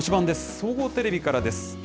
総合テレビからです。